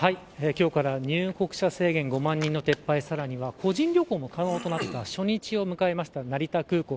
今日から入国者制限５万人の撤廃さらには、個人旅行も可能となった初日を迎えた成田空港。